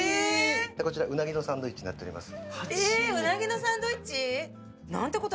こちら、ウナギのサンドイッチになっております。